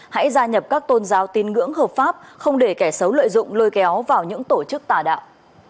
hãy gia nhập các tôn giáo tin ngưỡng hợp pháp không để kẻ xấu lợi dụng lôi kéo vào những tổ chức tà đạo